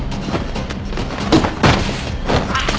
あっ。